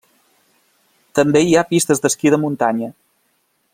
També hi ha pistes d'esquí de muntanya.